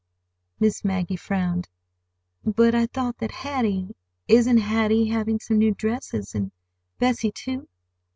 Miss Maggie frowned. "But I thought that Hattie—ISN'T Hattie having some new dresses—and Bessie, too?"